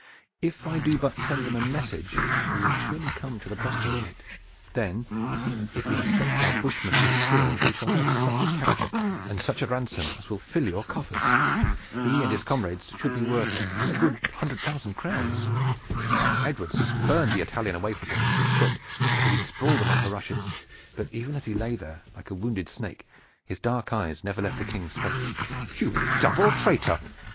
If I do but send them a message they will surely come to the postern gate. Then, if we have placed our bushment with skill we shall have such a capture and such a ransom as will fill your coffers. He and his comrades should be worth a good hundred thousand crowns." Edward spurned the Italian away from him with his foot until he sprawled among the rushes, but even as he lay there like a wounded snake his dark eyes never left the King's face. "You double traitor!